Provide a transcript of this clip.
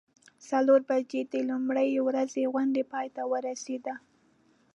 څلور بجې د لومړۍ ورځې غونډه پای ته ورسیده.